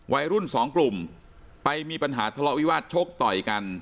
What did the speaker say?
วัยรุ่นสองกลุ่มไปมีปัญหาทะเลาะวิวาสชกต่อยกัน